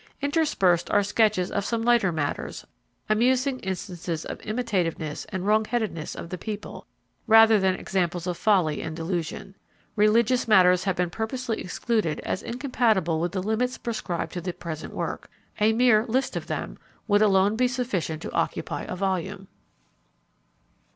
Interspersed are sketches of some lighter matters, amusing instances of the imitativeness and wrongheadedness of the people, rather than examples of folly and delusion. Religious matters have been purposely excluded as incompatible with the limits prescribed to the present work; a mere list of them would alone be sufficient to occupy a volume.